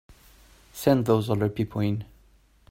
Send those other people in.